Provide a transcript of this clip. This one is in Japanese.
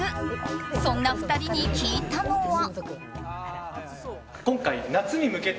そんな２人に聞いたのは。